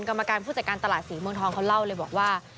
กรรมการผู้จัดการตลาดศรีเมืองทองเขาเล่าเลยบอกว่า